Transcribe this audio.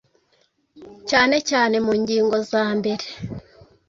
cyane cyane mu ngingo za mbere